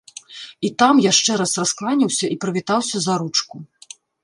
І там яшчэ раз раскланяўся і прывітаўся за ручку.